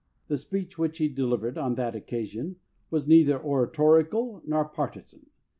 The speech which he delivered on that occasion was neither oratorical nor partisan.